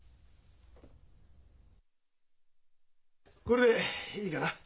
これでいいかな？